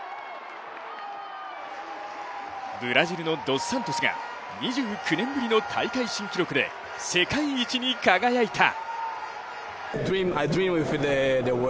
ブラジルのドス・サントスが２９年ぶりの大会新記録で世界一に輝いた。